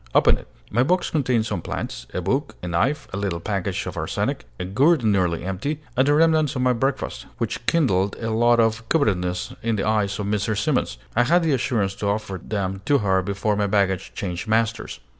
Open it!" My box contained some plants, a book, a knife, a little package of arsenic, a gourd nearly empty, and the remnants of my breakfast, which kindled a look of covetousness in the eyes of Mrs. Simons. I had the assurance to offer them to her before my baggage changed masters.